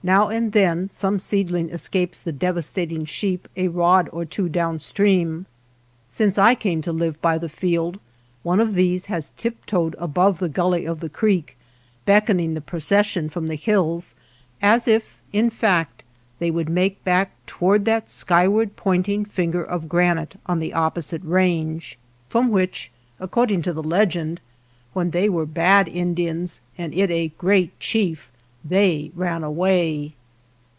Now and then some seedling escapes the devastating sheep a rod or two down stream. Since I came to live by the field one of these has tiptoed above the gully of the creek, beck oning the procession from the hills, as if in fact they would make back toward that skyward pointing finger of granite on the opposite range, from which, according to the legend, when they were bad Indians and it a great chief, they ran away.